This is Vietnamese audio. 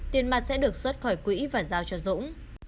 tiền mặt sẽ được xuất khỏi quỹ và giao cho dũng